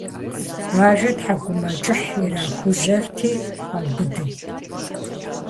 Бажэ, тхьэкӀумэкӀыхь ирахужьэрти, къаубыдырт.